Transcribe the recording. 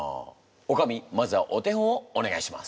おかみまずはお手本をお願いします。